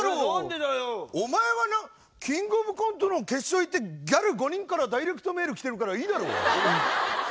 お前はな「キングオブコント」の決勝行ってギャル５人からダイレクトメールきてるからいいだろ！